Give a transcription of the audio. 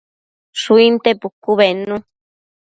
Shuinte pucu bednu